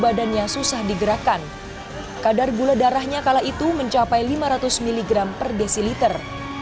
badannya susah digerakkan kadar gula darahnya kala itu mencapai lima ratus miligram per desiliter